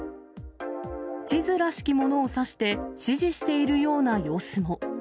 地図らしきものを指して指示しているような様子も。